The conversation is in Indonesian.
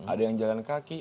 ada yang jalan kaki